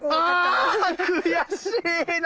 あ悔しいな。